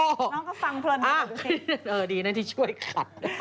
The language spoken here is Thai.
น้องก็ฟังเพลินมากดูสิดีนะที่ช่วยขัด